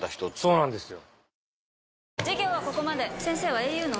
そうなんですよ。